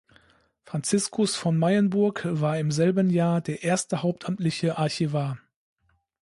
Franziskus von Meyenburg war im selben Jahr der erste hauptamtliche Archivar.